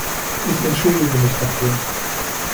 Ich entschuldige mich dafür.